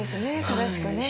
正しくね。